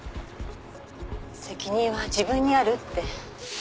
責任は自分にあるって。